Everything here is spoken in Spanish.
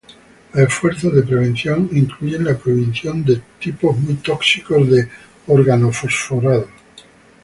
Los esfuerzos de prevención incluyen la prohibición de tipos muy tóxicos de organofosforados.